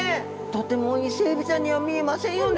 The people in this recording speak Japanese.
とてもイセエビちゃんには見えませんよね。